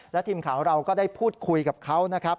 และทีมข่าวเราก็ได้พูดคุยกับเขานะครับ